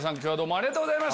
ありがとうございます！